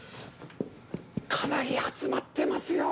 かなり集まってますよ